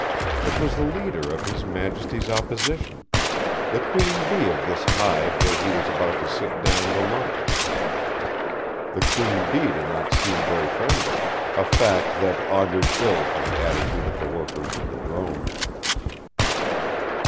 It was the leader of His Majesty's Opposition, the Queen bee of this hive where he was about to sit down to lunch. The Queen bee did not seem very friendly, a fact that augured ill for the attitude of the workers and the drones.